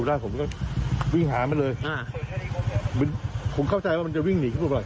รั้วผมมีแจ้งอยู่แต่ผมโดนเสียก็้าบาท